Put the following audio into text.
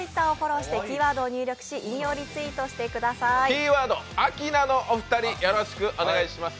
キーワード、アキナのお二人よろしくお願いします。